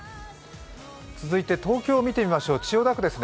続いて、東京を見てみましょう、千代田区ですね。